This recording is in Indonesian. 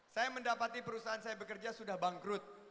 saya mendapati perusahaan saya bekerja sudah bangkrut